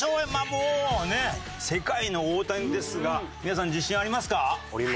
もうね世界の大谷ですが皆さん自信ありますか？